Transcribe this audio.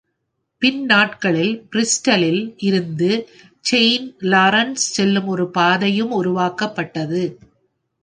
பின்நாட்களில் பிரிஸ்டலில் இருந்து saint Lawrence செல்லும் ஒரு பாதையும் உருவாக்கப்பட்டது.